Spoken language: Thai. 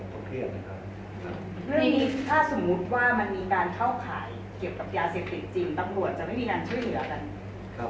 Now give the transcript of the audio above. เก็บกับยาเสียบจริงระบวนจะไม่มีทางช่วยเหลือกัน